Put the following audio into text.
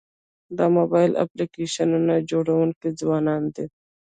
د موبایل اپلیکیشنونو جوړونکي ځوانان دي.